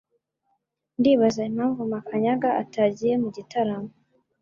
Ndibaza impamvu Makanyaga atagiye mu gitaramo